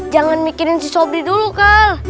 jangan mikirin si sobri dulu kang